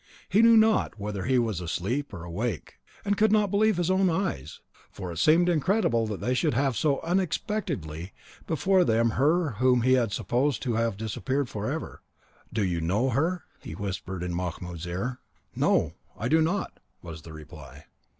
He knew not whether he was asleep or awake, and could not believe his own eyes; for it seemed incredible that they should have so unexpectedly before them her whom he had supposed to have disappeared for ever. "Do you know her?" he whispered in Mahmoud's ear. "No! I do not," was the reply.